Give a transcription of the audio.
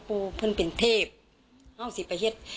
พื้นเป็นเทพ